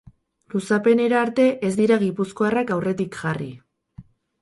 Luzapenera arte ez dira gipuzkoarrak aurretik jarri.